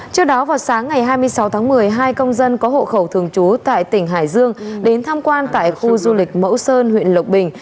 trước đó vào sáng ngày hai mươi sáu tháng một mươi hai công dân có hộ khẩu thường trú tại tỉnh hải dương đến tham quan tại khu du lịch mẫu sơn huyện lộc bình